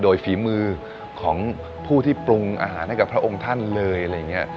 โดยฝีมือของผู้ที่ปรุงอาหารให้กับพระองค์ท่านเลยอะไรอย่างนี้